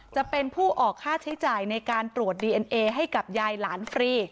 จะเป็นผู้ออกค่าใช้จ่ายในการตรวจดีเอ็นเอให้กับยายหลานฟรี